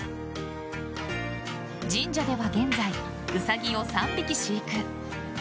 神社では現在、ウサギを３匹飼育。